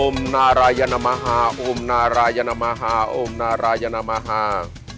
อมณารายณมหาอมณรายณมหาอมณรายณมหา